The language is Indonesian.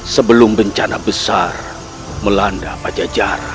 sebelum bencana besar melanda pada jarak